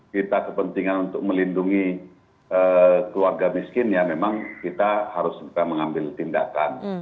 kita kepentingan untuk melindungi keluarga miskin ya memang kita harus mengambil tindakan